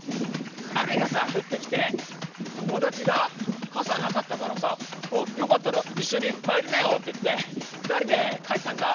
雨がさ降ってきて友達が傘なかったからさ「よかったら一緒に入りなよ」って言って２人で帰ったんだ。